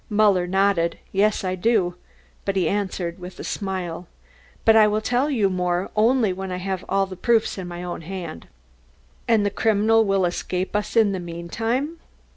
Muller nodded. "Yes, I do," he answered with a smile. "But I will tell you more only when I have all the proofs in my own hand." "And the criminal will escape us in the meantime."